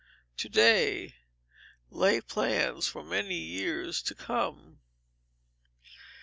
[TO DAY, LAYS PLANS FOR MANY YEARS TO COME.